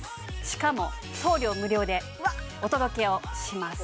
しかも送料無料でお届けをします